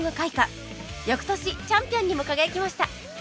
翌年チャンピオンにも輝きました